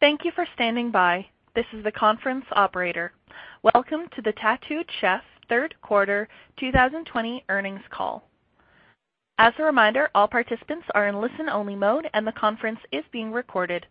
Thank you for standing by. This is the conference operator. Welcome to the Tattooed Chef third quarter 2020 earnings call. As a reminder, all participants are in listen only mode and the conference is being recorded.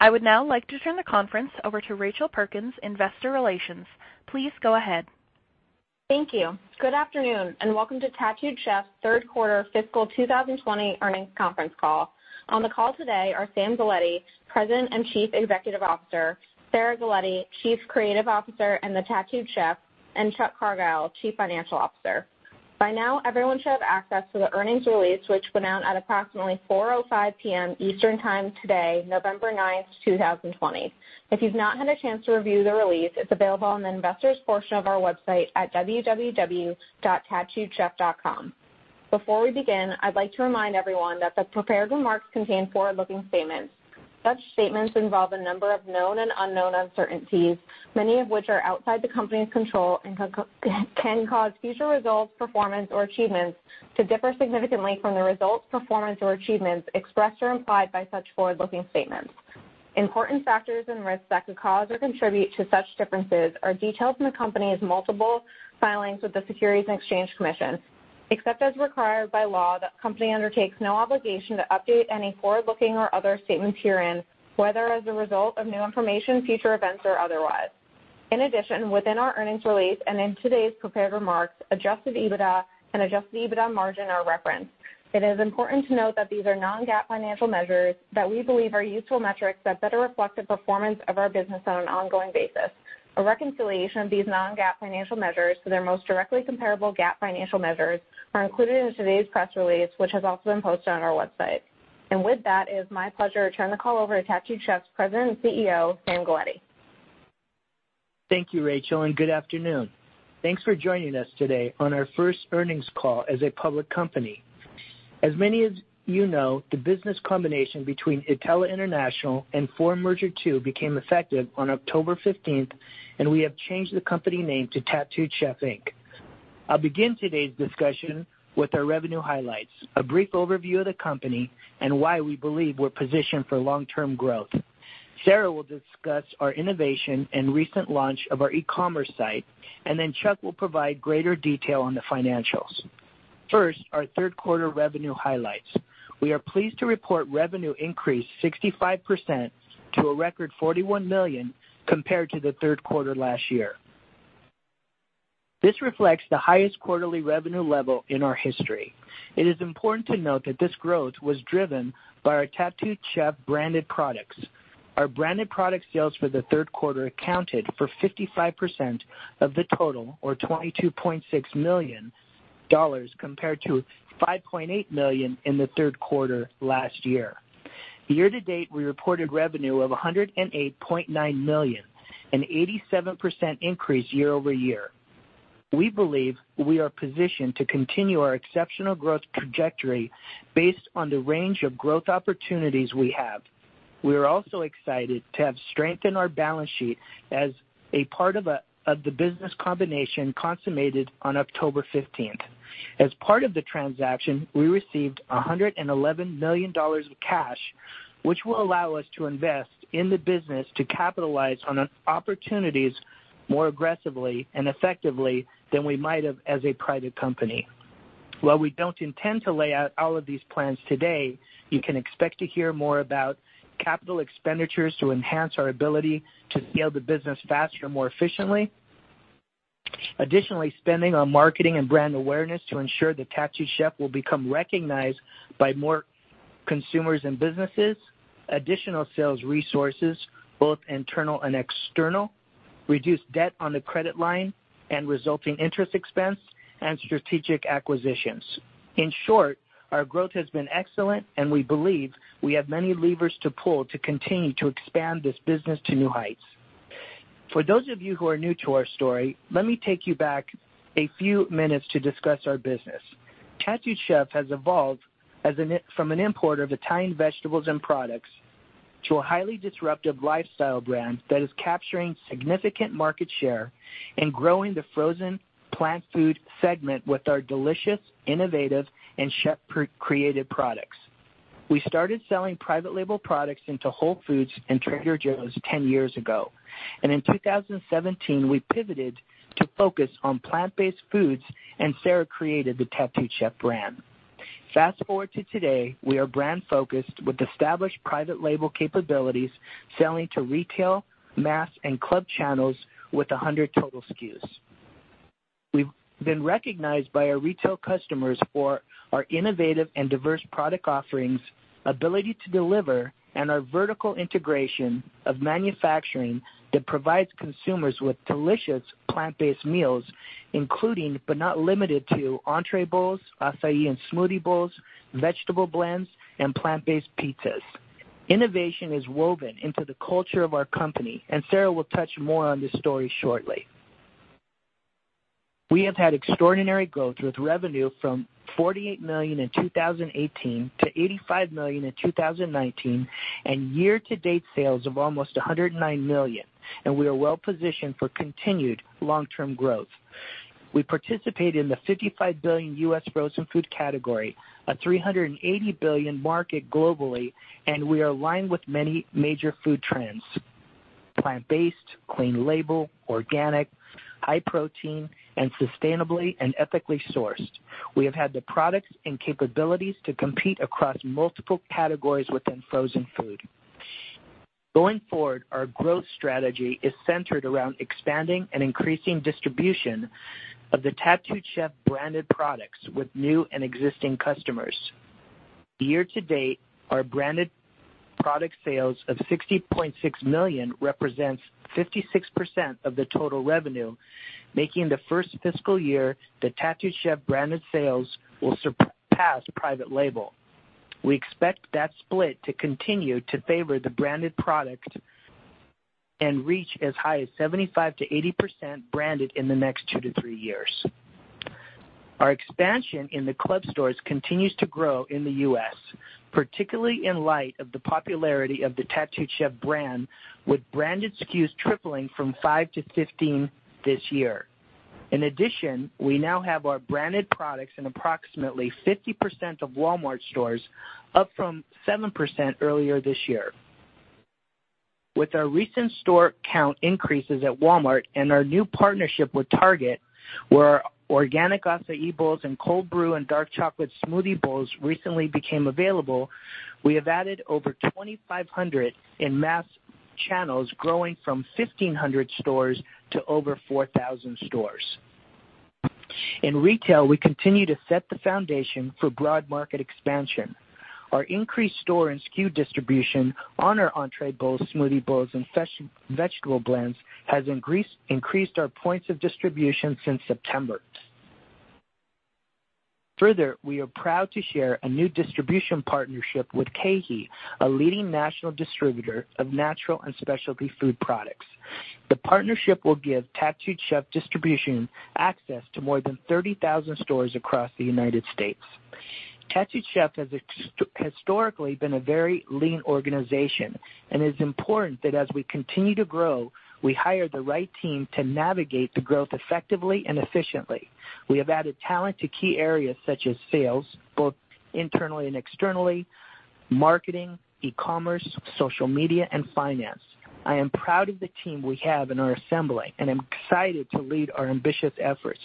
I would now like to turn the conference over to Rachel Perkins, Investor Relations. Please go ahead. Thank you. Good afternoon, and welcome to Tattooed Chef third quarter fiscal 2020 earnings conference call. On the call today are Sam Galletti, President and Chief Executive Officer, Sarah Galletti, Chief Creative Officer and the Tattooed Chef, and Chuck Cargile, Chief Financial Officer. By now, everyone should have access to the earnings release, which went out at approximately 4:05 P.M. Eastern time today, November 9th, 2020. If you've not had a chance to review the release, it's available on the investors portion of our website at www.tattooedchef.com. Before we begin, I'd like to remind everyone that the prepared remarks contain forward-looking statements. Such statements involve a number of known and unknown uncertainties, many of which are outside the company's control and can cause future results, performance, or achievements to differ significantly from the results, performance, or achievements expressed or implied by such forward-looking statements. Important factors and risks that could cause or contribute to such differences are detailed in the company's multiple filings with the Securities and Exchange Commission. Except as required by law, the company undertakes no obligation to update any forward-looking or other statements herein, whether as a result of new information, future events, or otherwise. In addition, within our earnings release and in today's prepared remarks, adjusted EBITDA and adjusted EBITDA margin are referenced. It is important to note that these are non-GAAP financial measures that we believe are useful metrics that better reflect the performance of our business on an ongoing basis. A reconciliation of these non-GAAP financial measures to their most directly comparable GAAP financial measures are included in today's press release, which has also been posted on our website. With that, it is my pleasure to turn the call over to Tattooed Chef's President and CEO, Sam Galletti. Thank you, Rachel, and good afternoon. Thanks for joining us today on our first earnings call as a public company. As many of you know, the business combination between Ittella International and Forum Merger II became effective on October 15th, and we have changed the company name to Tattooed Chef, Inc. I'll begin today's discussion with our revenue highlights, a brief overview of the company, and why we believe we're positioned for long-term growth. Sarah will discuss our innovation and recent launch of our e-commerce site, and then Chuck will provide greater detail on the financials. First, our third quarter revenue highlights. We are pleased to report revenue increased 65% to a record $41 million compared to the third quarter last year. This reflects the highest quarterly revenue level in our history. It is important to note that this growth was driven by our Tattooed Chef branded products. Our branded product sales for the third quarter accounted for 55% of the total, or $22.6 million, compared to $5.8 million in the third quarter last year. Year to date, we reported revenue of $108.9 million, an 87% increase year-over-year. We believe we are positioned to continue our exceptional growth trajectory based on the range of growth opportunities we have. We are also excited to have strengthened our balance sheet as a part of the business combination consummated on October 15th. As part of the transaction, we received $111 million of cash, which will allow us to invest in the business to capitalize on opportunities more aggressively and effectively than we might have as a private company. While we don't intend to lay out all of these plans today, you can expect to hear more about capital expenditures to enhance our ability to scale the business faster, more efficiently. Additionally, spending on marketing and brand awareness to ensure that Tattooed Chef will become recognized by more consumers and businesses, additional sales resources, both internal and external, reduced debt on the credit line and resulting interest expense, and strategic acquisitions. In short, our growth has been excellent, and we believe we have many levers to pull to continue to expand this business to new heights. For those of you who are new to our story, let me take you back a few minutes to discuss our business. Tattooed Chef has evolved from an importer of Italian vegetables and products to a highly disruptive lifestyle brand that is capturing significant market share and growing the frozen plant food segment with our delicious, innovative, and chef-created products. We started selling private label products into Whole Foods and Trader Joe's 10 years ago. In 2017, we pivoted to focus on plant-based foods, and Sarah created the Tattooed Chef brand. Fast-forward to today, we are brand focused with established private label capabilities, selling to retail, mass, and club channels with 100 total SKUs. We've been recognized by our retail customers for our innovative and diverse product offerings, ability to deliver, and our vertical integration of manufacturing that provides consumers with delicious plant-based meals, including, but not limited to, entree bowls, acai and smoothie bowls, vegetable blends, and plant-based pizzas. Innovation is woven into the culture of our company, and Sarah will touch more on this story shortly. We have had extraordinary growth with revenue from $48 million in 2018 to $85 million in 2019, and year to date sales of almost $109 million, and we are well positioned for continued long-term growth. We participate in the $55 billion U.S. frozen food category, a $380 billion market globally, and we are aligned with many major food trends. Plant-based, clean label, organic, high protein, and sustainably and ethically sourced. We have had the products and capabilities to compete across multiple categories within frozen food. Going forward, our growth strategy is centered around expanding and increasing distribution of the Tattooed Chef branded products with new and existing customers. Year to date, our branded product sales of $60.6 million represents 56% of the total revenue, making the first fiscal year that Tattooed Chef branded sales will surpass private label. We expect that split to continue to favor the branded product and reach as high as 75%-80% branded in the next two to three years. Our expansion in the club stores continues to grow in the U.S., particularly in light of the popularity of the Tattooed Chef brand, with branded SKUs tripling from five to 15 this year. In addition, we now have our branded products in approximately 50% of Walmart stores, up from 7% earlier this year. With our recent store count increases at Walmart and our new partnership with Target, where organic acai bowls and Cold Brew & Dark Chocolate Smoothie Bowl recently became available, we have added over 2,500 in mass channels, growing from 1,500 stores to over 4,000 stores. In retail, we continue to set the foundation for broad market expansion. Our increased store and SKU distribution on our entree bowls, smoothie bowls, and vegetable blends has increased our points of distribution since September. We are proud to share a new distribution partnership with KeHE, a leading national distributor of natural and specialty food products. The partnership will give Tattooed Chef distribution access to more than 30,000 stores across the United States. Tattooed Chef has historically been a very lean organization, and it is important that as we continue to grow, we hire the right team to navigate the growth effectively and efficiently. We have added talent to key areas such as sales, both internally and externally, marketing, e-commerce, social media, and finance. I am proud of the team we have and are assembling, and am excited to lead our ambitious efforts.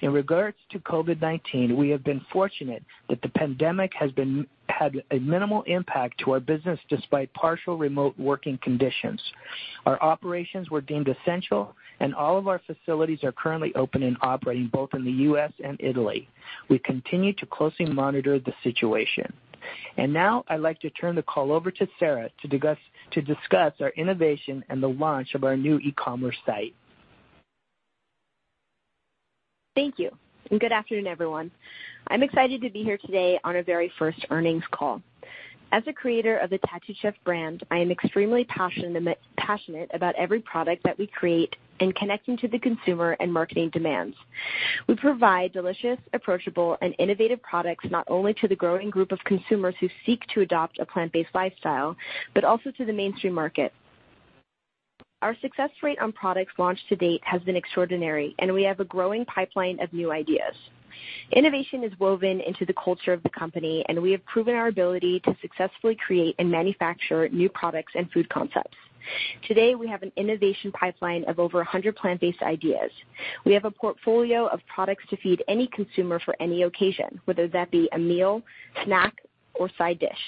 In regards to COVID-19, we have been fortunate that the pandemic has had a minimal impact to our business, despite partial remote working conditions. Our operations were deemed essential, and all of our facilities are currently open and operating both in the U.S. and Italy. We continue to closely monitor the situation. Now, I'd like to turn the call over to Sarah to discuss our innovation and the launch of our new e-commerce site. Thank you, and good afternoon, everyone. I'm excited to be here today on our very first earnings call. As the creator of the Tattooed Chef brand, I am extremely passionate about every product that we create in connecting to the consumer and marketing demands. We provide delicious, approachable, and innovative products not only to the growing group of consumers who seek to adopt a plant-based lifestyle, but also to the mainstream market. Our success rate on products launched to date has been extraordinary, and we have a growing pipeline of new ideas. Innovation is woven into the culture of the company, and we have proven our ability to successfully create and manufacture new products and food concepts. Today, we have an innovation pipeline of over 100 plant-based ideas. We have a portfolio of products to feed any consumer for any occasion, whether that be a meal, snack, or side dish,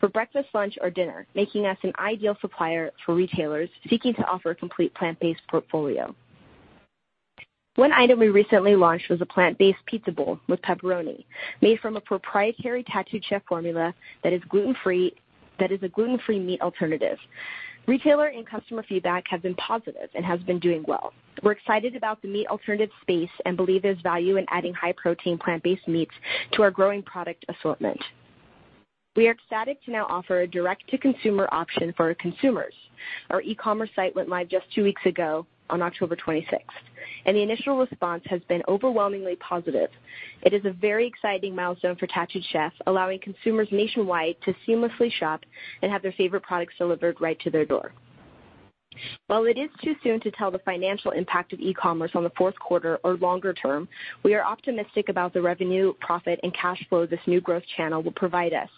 for breakfast, lunch, or dinner, making us an ideal supplier for retailers seeking to offer a complete plant-based portfolio. One item we recently launched was a plant-based pizza bowl with pepperoni made from a proprietary Tattooed Chef formula that is a gluten-free meat alternative. Retailer and customer feedback have been positive and has been doing well. We're excited about the meat alternative space and believe there's value in adding high protein plant-based meats to our growing product assortment. We are ecstatic to now offer a direct-to-consumer option for our consumers. Our e-commerce site went live just two weeks ago on October 26th, and the initial response has been overwhelmingly positive. It is a very exciting milestone for Tattooed Chef, allowing consumers nationwide to seamlessly shop and have their favorite products delivered right to their door. While it is too soon to tell the financial impact of e-commerce on the fourth quarter or longer term, we are optimistic about the revenue, profit, and cash flow this new growth channel will provide us.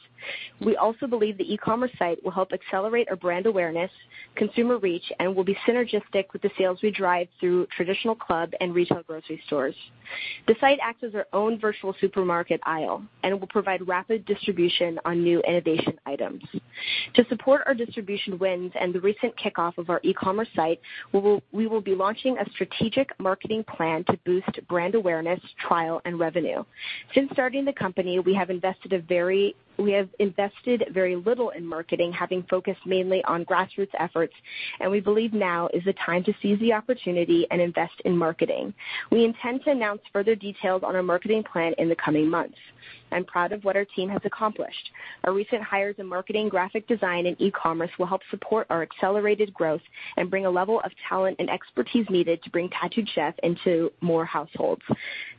We also believe the e-commerce site will help accelerate our brand awareness, consumer reach, and will be synergistic with the sales we drive through traditional club and retail grocery stores. The site acts as our own virtual supermarket aisle and will provide rapid distribution on new innovation items. To support our distribution wins and the recent kickoff of our e-commerce site, we will be launching a strategic marketing plan to boost brand awareness, trial, and revenue. Since starting the company, we have invested very little in marketing, having focused mainly on grassroots efforts, and we believe now is the time to seize the opportunity and invest in marketing. We intend to announce further details on our marketing plan in the coming months. I'm proud of what our team has accomplished. Our recent hires in marketing, graphic design, and e-commerce will help support our accelerated growth and bring a level of talent and expertise needed to bring Tattooed Chef into more households.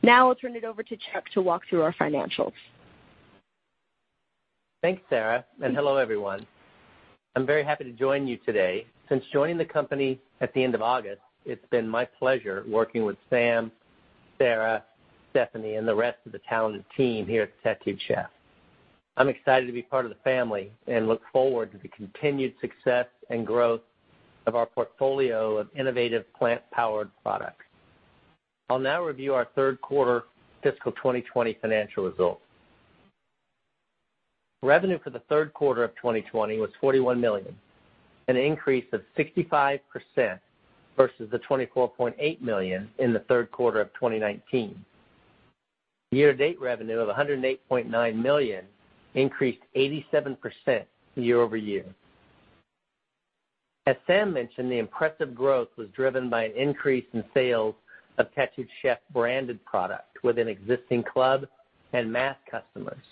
Now I'll turn it over to Chuck to walk through our financials. Thanks, Sarah, and hello, everyone. I'm very happy to join you today. Since joining the company at the end of August, it's been my pleasure working with Sam, Sarah, Stephanie, and the rest of the talented team here at Tattooed Chef. I'm excited to be part of the family and look forward to the continued success and growth of our portfolio of innovative plant-powered products. I'll now review our third quarter fiscal 2020 financial results. Revenue for the third quarter of 2020 was $41 million, an increase of 65% versus the $24.8 million in the third quarter of 2019. Year-to-date revenue of $108.9 million increased 87% year-over-year. As Sam mentioned, the impressive growth was driven by an increase in sales of Tattooed Chef branded product within existing club and mass customers.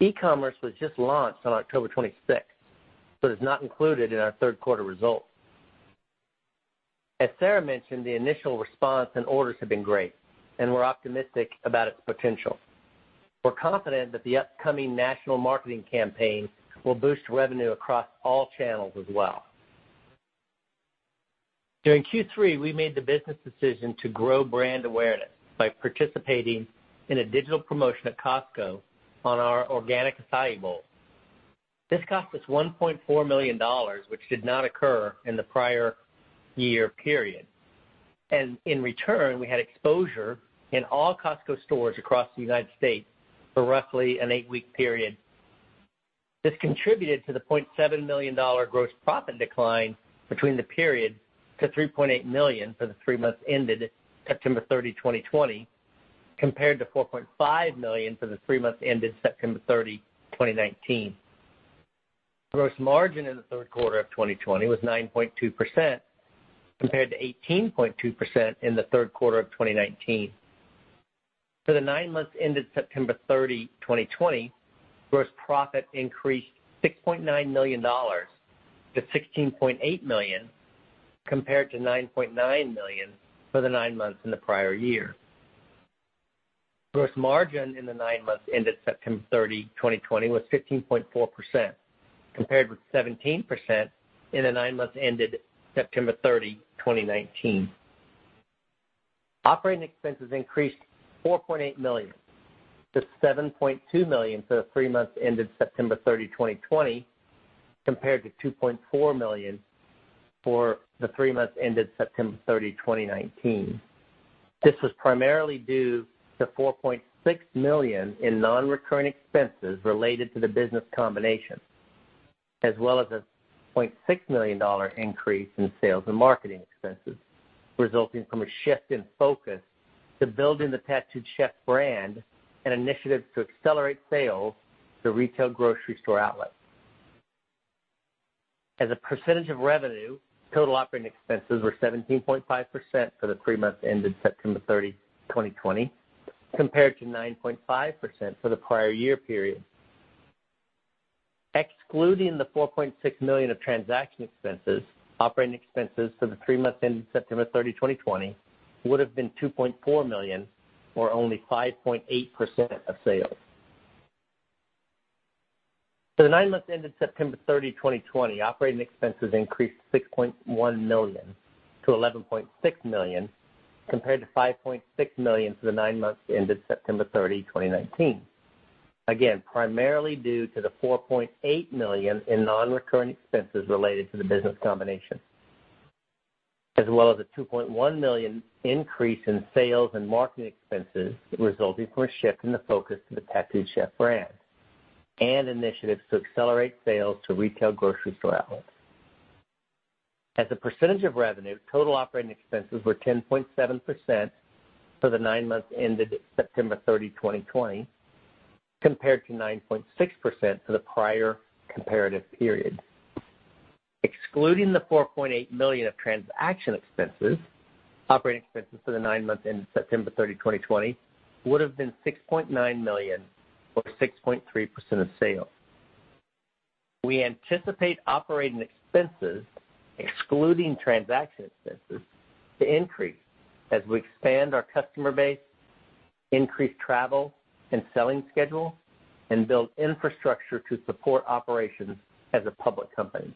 E-commerce was just launched on October 26th, but is not included in our third quarter results. As Sarah mentioned, the initial response and orders have been great, and we're optimistic about its potential. We're confident that the upcoming national marketing campaign will boost revenue across all channels as well. During Q3, we made the business decision to grow brand awareness by participating in a digital promotion at Costco on our organic acai bowl. This cost us $1.4 million, which did not occur in the prior year period. In return, we had exposure in all Costco stores across the U.S. for roughly an eight-week period. This contributed to the $0.7 million gross profit decline between the period to $3.8 million for the three months ended September 30, 2020, compared to $4.5 million for the three months ended September 30, 2019. Gross margin in the third quarter of 2020 was 9.2% compared to 18.2% in the third quarter of 2019. For the nine months ended September 30, 2020, gross profit increased $6.9 million to $16.8 million compared to $9.9 million for the nine months in the prior year. Gross margin in the nine months ended September 30, 2020, was 15.4%, compared with 17% in the nine months ended September 30, 2019. Operating expenses increased $4.8 million to $7.2 million for the three months ended September 30, 2020, compared to $2.4 million for the three months ended September 30, 2019. This was primarily due to $4.6 million in non-recurring expenses related to the business combination, as well as a $0.6 million increase in sales and marketing expenses, resulting from a shift in focus to building the Tattooed Chef brand and initiatives to accelerate sales to retail grocery store outlets. As a percentage of revenue, total operating expenses were 17.5% for the three months ended September 30, 2020, compared to 9.5% for the prior year period. Excluding the $4.6 million of transaction expenses, operating expenses for the three months ended September 30, 2020, would have been $2.4 million or only 5.8% of sales. For the nine months ended September 30, 2020, operating expenses increased $6.1 million to $11.6 million compared to $5.6 million for the nine months ended September 30, 2019. Primarily due to the $4.8 million in non-recurring expenses related to the business combination, as well as a $2.1 million increase in sales and marketing expenses resulting from a shift in the focus to the Tattooed Chef brand and initiatives to accelerate sales to retail grocery store outlets. As a percentage of revenue, total operating expenses were 10.7% for the nine months ended September 30, 2020, compared to 9.6% for the prior comparative period. Excluding the $4.8 million of transaction expenses, operating expenses for the nine months ended September 30, 2020, would have been $6.9 million or 6.3% of sales. We anticipate operating expenses, excluding transaction expenses, to increase as we expand our customer base, increase travel and selling schedule, and build infrastructure to support operations as a public company.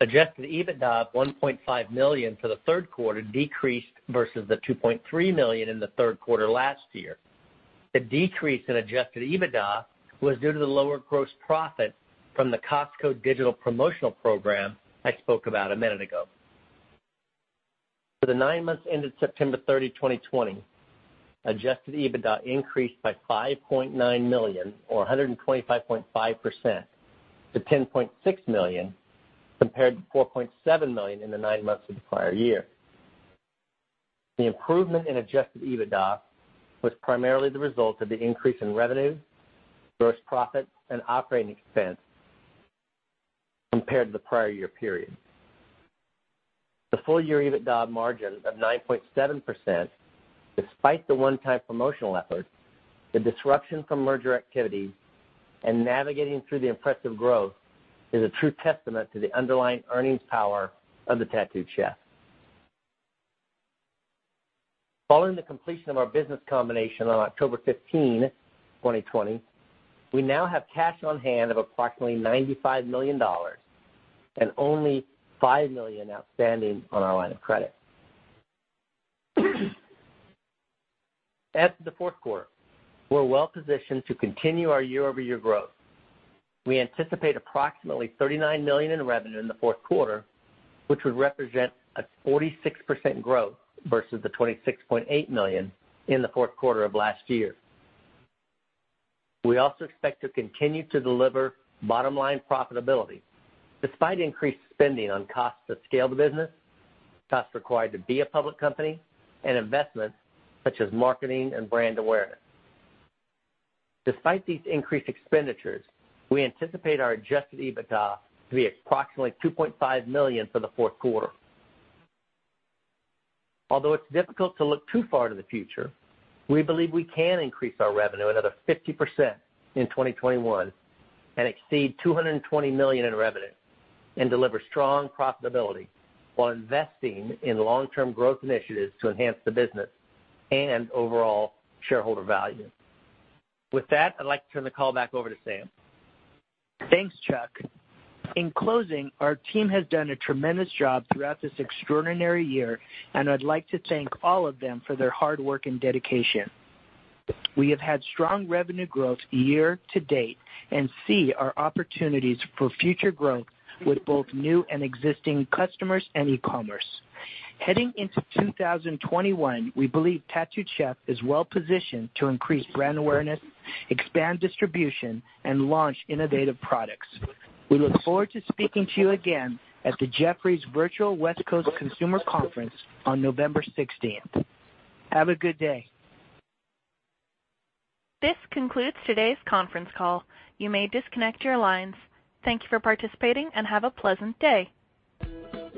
Adjusted EBITDA of $1.5 million for the third quarter decreased versus the $2.3 million in the third quarter last year. The decrease in adjusted EBITDA was due to the lower gross profit from the Costco digital promotional program I spoke about a minute ago. For the nine months ended September 30, 2020, adjusted EBITDA increased by $5.9 million or 125.5% to $10.6 million, compared to $4.7 million in the nine months of the prior year. The improvement in adjusted EBITDA was primarily the result of the increase in revenue, gross profit, and operating expense compared to the prior year period. The full year EBITDA margin of 9.7%, despite the one-time promotional effort, the disruption from merger activity, and navigating through the impressive growth, is a true testament to the underlying earnings power of the Tattooed Chef. Following the completion of our business combination on October 15, 2020, we now have cash on hand of approximately $95 million and only $5 million outstanding on our line of credit. As of the fourth quarter, we're well-positioned to continue our year-over-year growth. We anticipate approximately $39 million in revenue in the fourth quarter, which would represent a 46% growth versus the $26.8 million in the fourth quarter of last year. We also expect to continue to deliver bottom-line profitability despite increased spending on costs to scale the business, costs required to be a public company, and investments such as marketing and brand awareness. Despite these increased expenditures, we anticipate our adjusted EBITDA to be approximately $2.5 million for the fourth quarter. Although it's difficult to look too far to the future, we believe we can increase our revenue another 50% in 2021 and exceed $220 million in revenue and deliver strong profitability while investing in long-term growth initiatives to enhance the business and overall shareholder value. With that, I'd like to turn the call back over to Sam. Thanks, Chuck. In closing, our team has done a tremendous job throughout this extraordinary year, and I'd like to thank all of them for their hard work and dedication. We have had strong revenue growth year-to-date and see our opportunities for future growth with both new and existing customers and e-commerce. Heading into 2021, we believe Tattooed Chef is well-positioned to increase brand awareness, expand distribution, and launch innovative products. We look forward to speaking to you again at the Jefferies Virtual West Coast Consumer Conference on November 16th. Have a good day. This concludes today's conference call. You may disconnect your lines. Thank you for participating, and have a pleasant day.